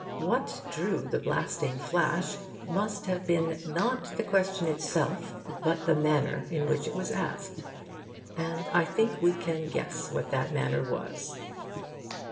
What drew the blasting flash must have been not the question itself, but the manner in which it was asked. And I think we can guess what that manner was.